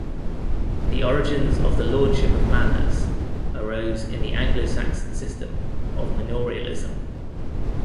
The origins of the lordship of manors arose in the Anglo-Saxon system of manorialism.